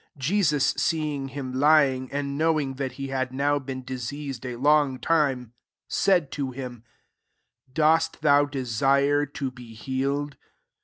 6 Jesus seeing him lying, and knowing that he had now been diseased a long time, said to him, " Dost thou desire to be healed?"